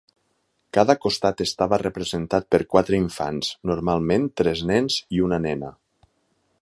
Cada costat estava representat per quatre infants, normalment tres nens i una nena.